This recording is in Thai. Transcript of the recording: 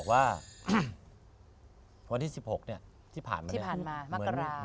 ว่าวันที่๑๖ที่ผ่านไหมที่ผ่านมามมสก่อรา